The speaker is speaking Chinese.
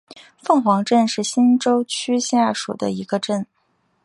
凤凰镇是新洲区下属的一个镇。